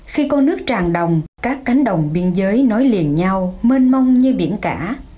khi con nước tràn đồng các cánh đồng biên giới nối liền nhau mênh mông như biển cả